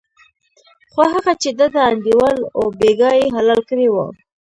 خو هغه چې دده انډیوال و بېګا یې حلال کړی و.